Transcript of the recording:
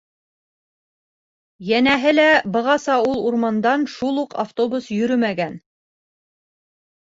Йәнәһе лә, бығаса ул урамдан шул уҡ автобус йөрөмәгән!